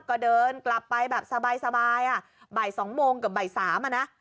ก็เดินกลับไปแบบสบายอ่ะบ่าย๒โมงเกือบบ่าย๓อ่ะนะ